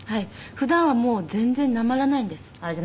普段はもう全然なまらないんです。